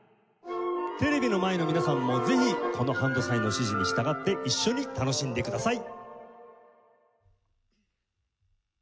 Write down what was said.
テレビの前の皆さんもぜひこのハンドサインの指示に従って一緒に楽しんでください。